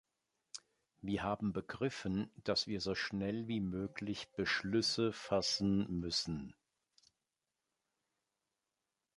Wir haben begriffen, dass wir so schnell wie möglich Beschlüsse fassen müssen.